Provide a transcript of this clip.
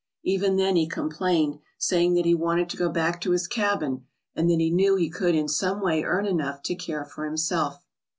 Even then he complained, saying that he wanted to go back to his cabin, and that he knew he could in some way earn enough to care for himself.